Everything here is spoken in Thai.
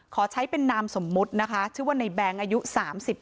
ขอใช้เป็นนามสมมุตินะคะชื่อว่าในแบงค์อายุ๓๗